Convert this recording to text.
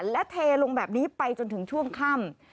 และเทลงแบบนี้ไปจนถึงช่วงค่ำ